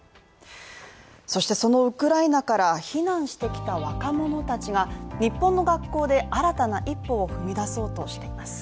そのウクライナから避難してきた若者たちが日本の学校で新たな一歩を踏み出そうとしています。